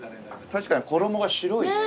確かに衣が白いね。